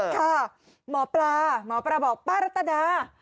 ค่ะหมอปลาหมอปลาบอกป้ารัตดา